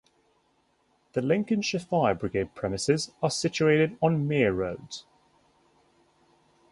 The Lincolnshire Fire Brigade premises are situated on Mere Road.